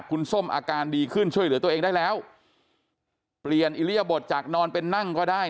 คุณส้มอาการดีขึ้นช่วยเหลือตัวเองได้แล้วเปลี่ยนอิริยบทจากนอนเป็นนั่งก็ได้